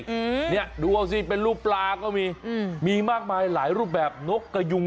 อืมเนี้ยดูเอาสิเป็นรูปปลาก็มีอืมมีมากมายหลายรูปแบบนกกระยุง